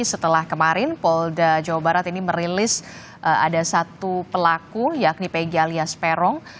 setelah kemarin polda jawa barat ini merilis ada satu pelaku yakni pegi alias peron